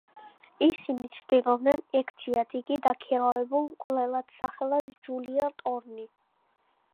ისინი ცდილობდნენ ექციათ იგი დაქირავებულ მკვლელად სახელად ჯულია ტორნი.